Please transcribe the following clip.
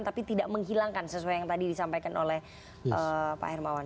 tapi tidak menghilangkan sesuai yang tadi disampaikan oleh pak hermawan